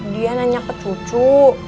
dia nanya ke cucu